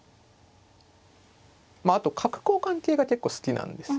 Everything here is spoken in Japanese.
まああと角交換系が結構好きなんですよね。